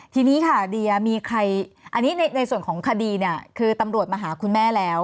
ทีนี้ค่ะเดียมีใครอันนี้ในส่วนของคดีเนี่ยคือตำรวจมาหาคุณแม่แล้ว